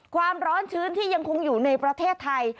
ความร้อนชื้นที่ยังคงอยู่ในประเทศไทย